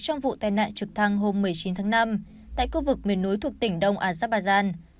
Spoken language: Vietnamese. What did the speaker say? trong vụ tai nạn trực thăng hôm một mươi chín tháng năm tại khu vực miền núi thuộc tỉnh đông azerbaijan